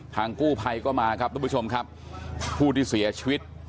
กู้ภัยก็มาครับทุกผู้ชมครับผู้ที่เสียชีวิต